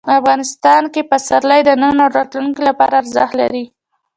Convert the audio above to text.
افغانستان کې پسرلی د نن او راتلونکي لپاره ارزښت لري.